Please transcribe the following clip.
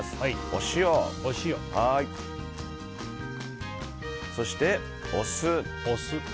お塩、そしてお酢。